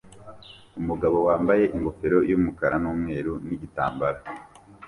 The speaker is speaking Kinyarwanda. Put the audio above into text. Umugabo wambaye ingofero yumukara numweru nigitambara